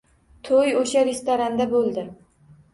To‘y o’sha restoranda bo‘ldi.